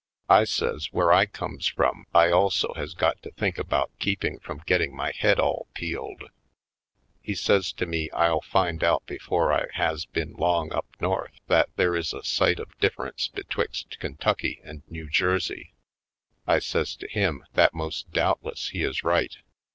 I says where I comes from I also has got to think about keeping from getting my head all peeled. He says to me I'll find out be fore I has been long up North that there is a sight of difference betwixt Kentucky and New Jersey. I says to him that most doubt less he is right.